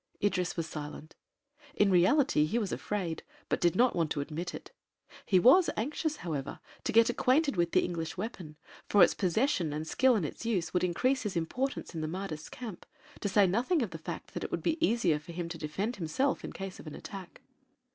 Idris was silent. In reality he was afraid, but did not want to admit it. He was anxious, however, to get acquainted with the English weapon, for its possession and skill in its use would increase his importance in the Mahdists' camp, to say nothing of the fact that it would be easier for him to defend himself in case of an attack.